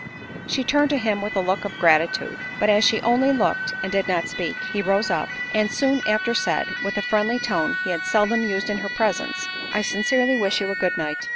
She turned to him with a look of gratitude; but as she only looked, and did not speak, he rose up, and soon after said, with a friendly tone he had seldom used in her presence, "I sincerely wish you a good night."